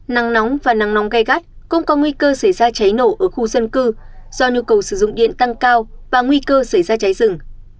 nắng nóng và nắng nóng gai gắt cũng có nguy cơ xảy ra cháy nổ ở khu dân cư do nhu cầu sử dụng điện tăng cao và nguy cơ xảy ra cháy rừng